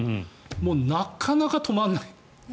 もうなかなか止まらない。